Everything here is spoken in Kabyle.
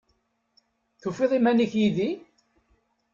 Tufiḍ iman-ik yid-i?